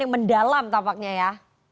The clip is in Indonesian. yang mendalam tampaknya ya